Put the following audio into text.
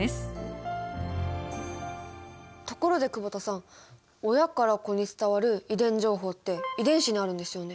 ところで久保田さん親から子に伝わる遺伝情報って遺伝子にあるんですよね？